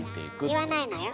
言わないのよ